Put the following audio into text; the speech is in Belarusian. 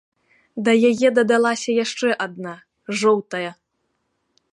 Да яе дадалася яшчэ адна, жоўтая.